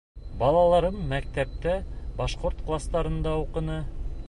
— Балаларым мәктәптә башҡорт кластарында уҡыны.